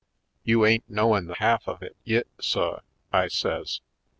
"You ain't knowin' the ha'f of it yit, suh," I says.